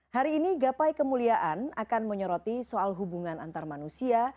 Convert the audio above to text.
hari ini gapai kemuliaan akan menyoroti soal hubungan antar manusia